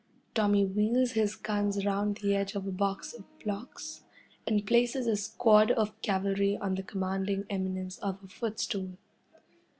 Tommy wheels his guns round the edge of a box of blocks, and places a squad of cavalry on the commanding eminence of a footstool.